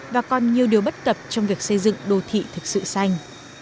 và còn nhiều điều bất cập trong việc xây dựng đô thị thực sự xanh